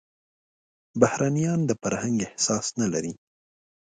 بهرنيان د فرهنګ احساس نه لري.